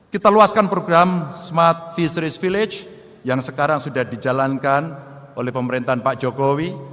kita luaskan program smart fishery village yang sekarang sudah dijalankan oleh pemerintahan pak jokowi